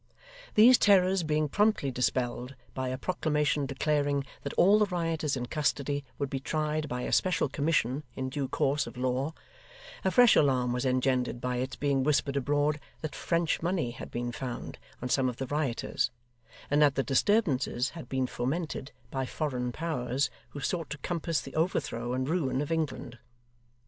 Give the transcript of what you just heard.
These terrors being promptly dispelled by a Proclamation declaring that all the rioters in custody would be tried by a special commission in due course of law, a fresh alarm was engendered by its being whispered abroad that French money had been found on some of the rioters, and that the disturbances had been fomented by foreign powers who sought to compass the overthrow and ruin of England.